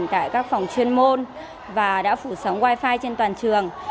tại các phòng chuyên môn và đã phủ sóng wi fi trên toàn trường